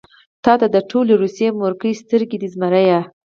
تاته د ټولې روسيې مورکۍ سترګې دي زمريه.